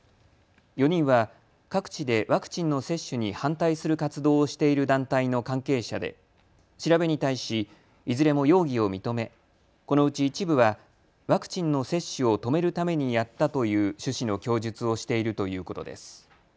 ４人は各地でワクチンの接種に反対する活動をしている団体の関係者で調べに対しいずれも容疑を認めこのうち一部はワクチンの接種を止めるためにやったという趣旨の供述をしているということです。